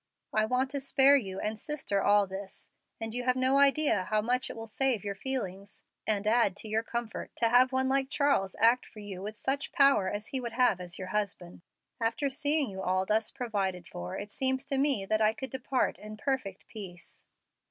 I want to spare you and sister all this, and you have no idea how much it will save your feelings, and add to your comfort, to have one like Charles act for you with such power as he would have as your husband. After seeing you all thus provided for, it seems to me that I could depart in perfect peace."